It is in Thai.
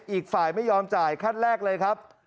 อีกฝ่ายไม่ยอมจ่ายขั้นแรกเลยครับ